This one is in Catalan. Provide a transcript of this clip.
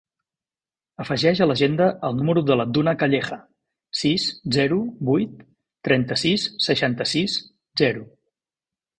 Afegeix a l'agenda el número de la Duna Calleja: sis, zero, vuit, trenta-sis, seixanta-sis, zero.